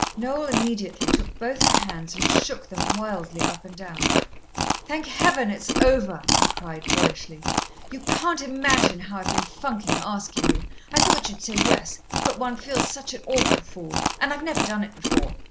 Noel immediately took both her hands and shook them wildly up and down. "Thank Heaven, it's over," he cried boyishly. "You can't imagine how I've been funking asking you I thought you'd say yes, but one feels such an awful fool and I've never done it before.